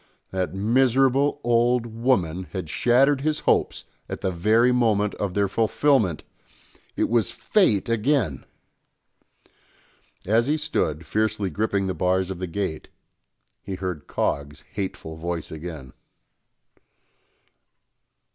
That miserable old woman had shattered his hopes at the very moment of their fulfilment. It was fate again! As he stood, fiercely gripping the bars of the gate, he heard Coggs' hateful voice again.